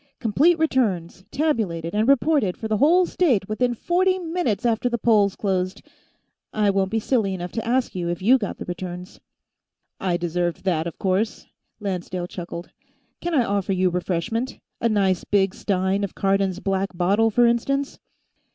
Complete returns tabulated and reported for the whole state within forty minutes after the polls closed. I won't be silly enough to ask you if you got the returns." "I deserved that, of course," Lancedale chuckled. "Can I offer you refreshment? A nice big stein of Cardon's Black Bottle, for instance?"